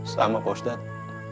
sama pak ustadz